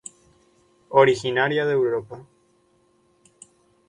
Originaria de Europa.